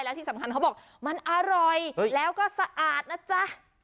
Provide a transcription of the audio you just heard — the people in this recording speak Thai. และที่สำคัญเขาบอกมันอร่อยแล้วก็สะอาดนะจ๊ะ